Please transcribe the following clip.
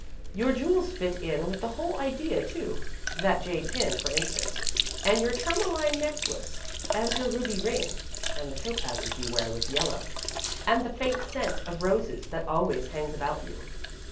Your jewels fit in with the whole idea, too. That jade pin, for instance, and your tourmaline necklace, and your ruby ring, and the topazes you wear with yellow, and the faint scent of roses that always hangs about you."